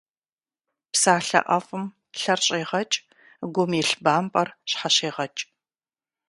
Псалъэ ӏэфӏым лъэр щӏегъэкӏ, гум илъ бампӏэр щхьэщегъэкӏ.